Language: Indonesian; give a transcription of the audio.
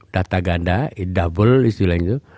data ganda double itu lainnya